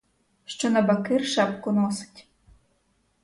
Що набакир шапку носить.